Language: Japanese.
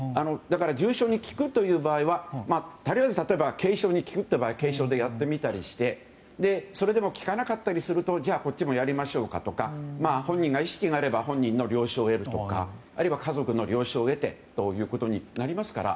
重症に効くという場合はとりあえず例えば軽症に効くという場合は軽症でやってみたりしてそれでも効かなかったりするとこっちもやりましょうとか本人が意識があれば本人の了承を得るとかあるいは家族の了承を得てということになりますから。